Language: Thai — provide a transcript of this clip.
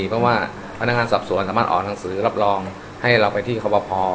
เพราะว่าพนักงานสอบสวนสามารถออกหนังสือรับรองให้เราไปที่คอปภ